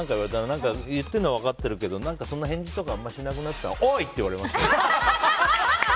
何か言ってるのは分かってるけど返事とかをあまりしなくなったらおい！って言われました。